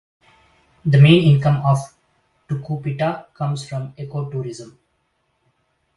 The main income of Tucupita comes from eco-tourism.